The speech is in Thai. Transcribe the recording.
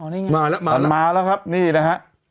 นี่ไงมาแล้วมามันมาแล้วครับนี่นะฮะ